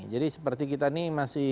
jadi seperti kita ini masih